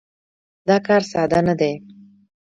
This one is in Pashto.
دا کار ساده نه دی.